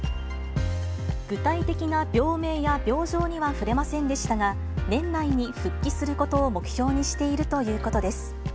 具体的な病名や病状には触れませんでしたが、年内に復帰することを目標にしているということです。